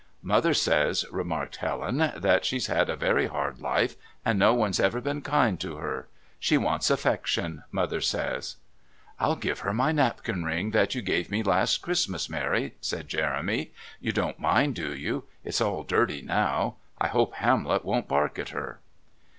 "Mother says," remarked Helen, "that she's had a very hard life, and no one's ever been kind to her. 'She wants affection,' Mother says." "I'll give her my napkin ring that you gave me last Christmas, Mary," said Jeremy. "You don't mind, do you? It's all dirty now. I hope Hamlet won't bark at her."